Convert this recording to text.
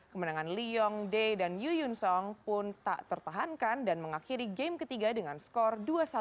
kemenangan lee yong d dan yu yun song pun tak tertahankan dan mengakhiri game ketiga dengan skor dua satu